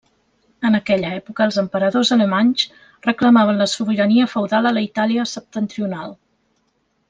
En aquella època, els emperadors alemanys reclamaven la sobirania feudal a la Itàlia septentrional.